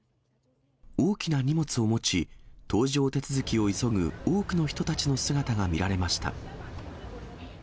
大きな荷物を持ち、搭乗手続きを急ぐ多くの人たちの姿が見られました。